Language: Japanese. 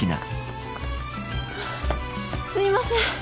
すいません。